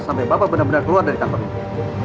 sampai bapak benar benar keluar dari kantor ini